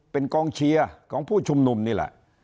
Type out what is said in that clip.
เป็นกองเชียร์ของผู้ชุมนุมนี่แหละ